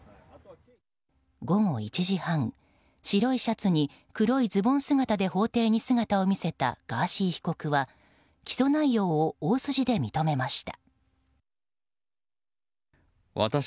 午後１時半白いシャツに黒いズボン姿で法廷に姿を見せたガーシー被告は起訴内容を大筋で認めました。